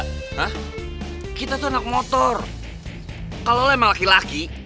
nah kita tuh anak motor kalau emang laki laki